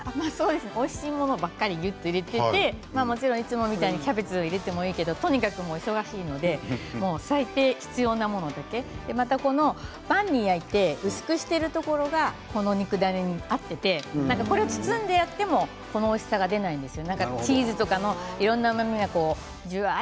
おいしいものをギュッと入れて、もちろんいつもみたいにキャベツ入れてもいいんですがとにかく忙しいので最低必要なものだけまた、薄くしてるところが肉ダネに合っていてこれを包んでやってもこのおいしさが出ないんですよ。